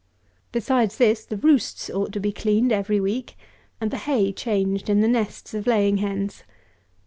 Besides this, the roosts ought to be cleaned every week, and the hay changed in the nests of laying hens.